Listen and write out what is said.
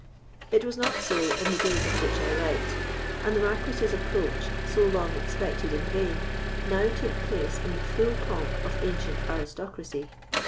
It was not so in the days of which I write; and the Marquis's approach, so long expected in vain, now took place in the full pomp of ancient aristocracy.